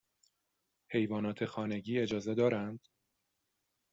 حیوانات خانگی اجازه دارند؟